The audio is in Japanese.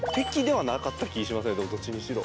どっちにしろ。